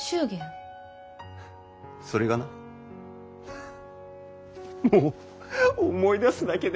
それがなフフッもう思い出すだけでフフフ。